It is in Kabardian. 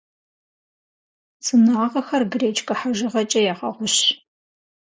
Цӏынагъэхэр гречкэ хьэжыгъэкӏэ ягъэгъущ.